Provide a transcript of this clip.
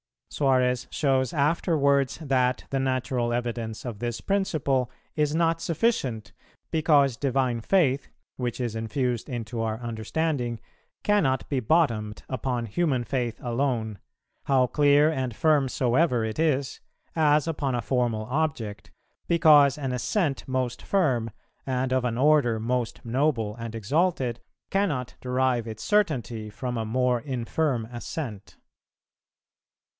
Suarez shows afterwards that the natural evidence of this principle is not sufficient, because divine Faith, which is infused into our understanding, cannot be bottomed upon human faith alone, how clear and firm soever it is, as upon a formal object, because an assent most firm, and of an order most noble and exalted, cannot derive its certainty from a more infirm assent.